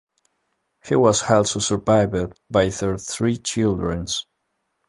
He was also survived by their three children.